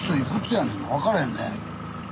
分からへんね。